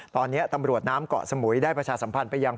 ตอนนี้ตำรวจน้ำเกาะสมุยได้ประชาสัมพันธ์ไปยัง